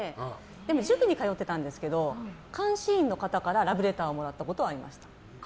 でも塾に通ってたんですけど監視員の方からラブレターをもらったことはあります。